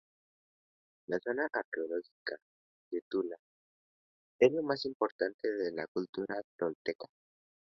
La Zona Arqueológica de Tula es la más importante de la cultura tolteca.